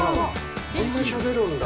こんなしゃべるんだ。